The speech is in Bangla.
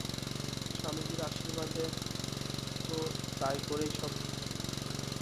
স্বামীজীর আশীর্বাদে তোর তাই করেই সব ঠিক হবে।